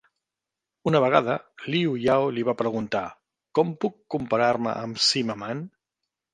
Una vegada, Liu Yao li va preguntar: Com puc comparar-me amb Sima Man?